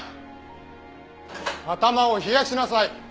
頭を冷やしなさい！